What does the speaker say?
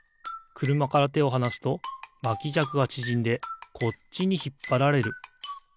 くるまからてをはなすとまきじゃくがちぢんでこっちにひっぱられる。